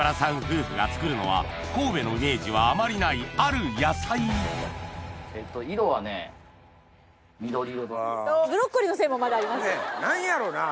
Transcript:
夫婦が作るのは神戸のイメージはあまりないある野菜何やろうな！